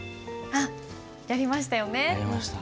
あっやりましたよね。